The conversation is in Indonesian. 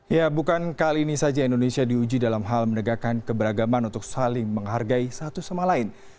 ya bukan kali ini saja indonesia diuji dalam hal menegakkan keberagaman untuk saling menghargai satu sama lain